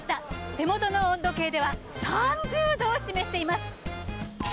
手元の温度計では３０度を示しています。